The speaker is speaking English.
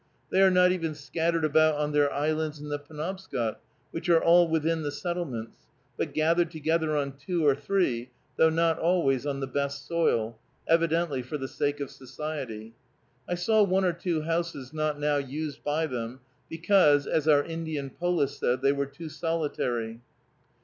They are not even scattered about on their islands in the Penobscot, which are all within the settlements, but gathered together on two or three, though not always on the best soil, evidently for the sake of society. I saw one or two houses not now used by them, because, as our Indian Polis said, they were too solitary.